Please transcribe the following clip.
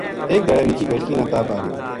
ایک دھیاڑے نکی بیٹکی نا تاپ آ گیو